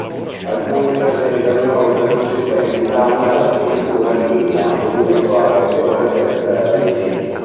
Alcuni presentano inoltre consistenti danni alla struttura lignea dovuto all’azione delle termiti.